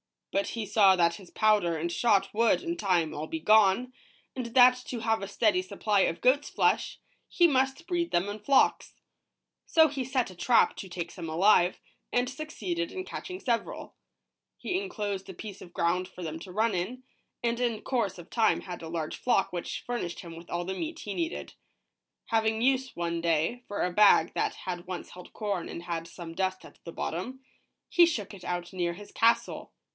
But he saw that his powder and shot would, in time, all be gone, and that to have a steady supply of goat's flesh, he must breed them in flocks. So he set a trap to take some alive, and succeeded in catching several. He enclosed a piece of ground for them to run in ; and in course of time had a large flock which furnished him with all the meat he needed. / CRUSOE AND HIS PETS. 140 ROBINSON CRUSOE. Having use, one day, for a bag that had once held corn and had some dust at the bottom, he shook it out near his castle.